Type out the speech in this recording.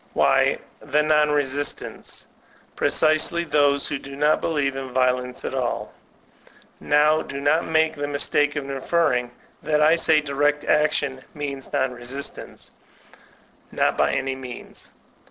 Why, the non resistants; precisely those who do not believe in violence at all I Now do not make the mistake of infer ring that I say direct action means non resistance; not by any means.